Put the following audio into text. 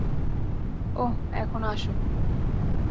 ওহ, এখন, আসো।